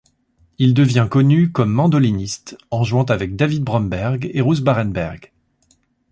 Il devient connu comme mandoliniste en jouant avec David Bromberg et Russ Barenberg.